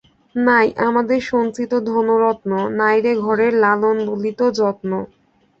নাই আমাদের সঞ্চিত ধনরত্ন, নাই রে ঘরের লালন ললিত যত্ন।